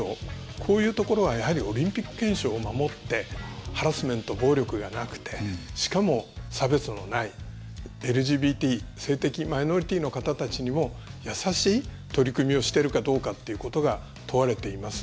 こういうところは、やはりオリンピック憲章を守ってハラスメント、暴力じゃなくてしかも、差別のない、ＬＧＢＴ性的マイノリティーの方たちにも優しい取り組みをしてるかどうかということが問われています。